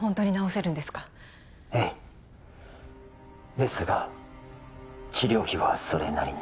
ですが治療費はそれなりに